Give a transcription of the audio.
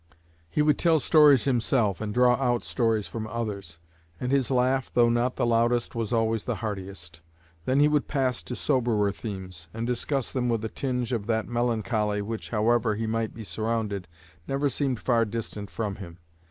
He would tell stories himself, and draw out stories from others; and his laugh, though not the loudest, was always the heartiest. Then he would pass to soberer themes, and discuss them with a tinge of that melancholy which, however he might be surrounded, never seemed far distant from him.